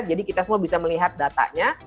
jadi kita semua bisa melihat datanya